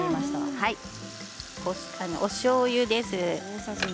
おしょうゆです。